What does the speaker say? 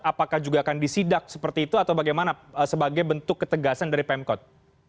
apakah juga akan disidak seperti itu atau bagaimana sebagai bentuk ketegasan dari pemkot